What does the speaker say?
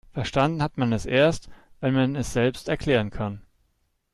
Verstanden hat man es erst, wenn man es selbst erklären kann.